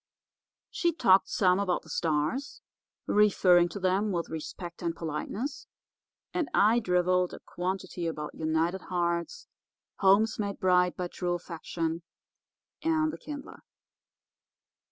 She talked some about the stars, referring to them with respect and politeness, and I drivelled a quantity about united hearts, homes made bright by true affection, and the Kindler.